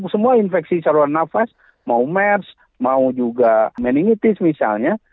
semua infeksi saluran nafas mau mers mau juga meningitis misalnya